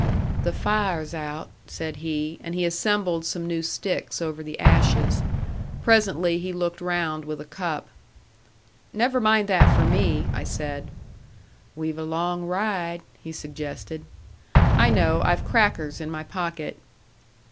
"The fire's out," said he; and he assembled some new sticks over the ashes. Presently he looked round with a cup. "Never mind that for me," I said. "We've a long ride," he suggested. "I know. I've crackers in my pocket."